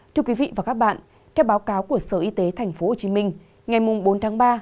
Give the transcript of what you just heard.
thưa quý vị và các bạn theo báo cáo của sở y tế tp hcm ngày bốn tháng ba